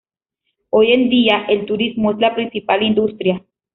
Hoy en día, el turismo es la principal industria.